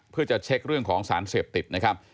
เพื่อจะเช็คเรื่องของสารเสพติดนะครับ